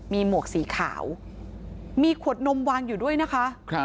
มีหมวกสีขาวมีขวดนมวางอยู่ด้วยนะคะ